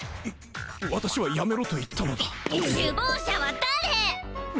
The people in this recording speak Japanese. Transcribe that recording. わ私はやめろと言ったのだ首謀者は誰？